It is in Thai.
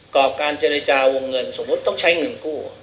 การเจรจาวงเงินสมมุติต้องใช้เงินกู้